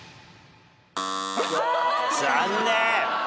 残念。